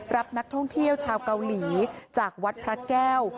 รับนักท่องเที่ยวชาวเกาหลีจากวัดพระแก้ว